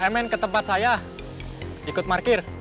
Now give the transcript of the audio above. mn ke tempat saya ikut parkir